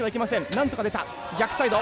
なんとか出た逆サイド。